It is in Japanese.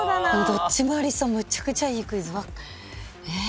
どっちもありそうむちゃくちゃいいクイズ。